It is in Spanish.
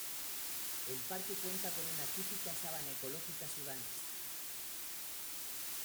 El parque cuenta con una típica sabana ecológica sudanesa.